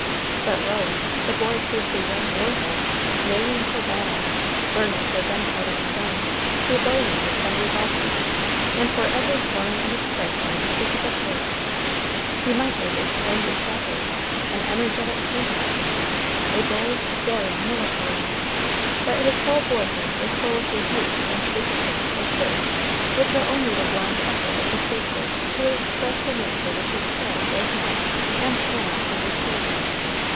But lo! the boy proves a young war horse, neighing for battle, burning for gunpowder and guns, for bowie knives and revolvers, and for every form and expression of physical force; he might make a splendid trapper, an energetic sea captain, a bold, daring military man, but his whole boyhood is full of rebukes and disciplines for sins which are only the blind effort of the creature to express a nature which his parent does not and cannot understand.